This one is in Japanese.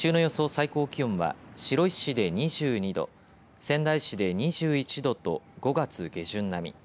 最高気温は白石市で２２度仙台市で２１度と５月下旬並み。